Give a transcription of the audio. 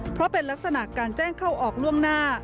เพราะเป็นลักษณะการแจ้งเข้าออกล่วงหน้า